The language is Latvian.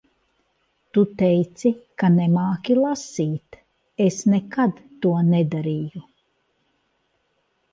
Tu teici ka nemāki lasīt. Es nekad to nedarīju.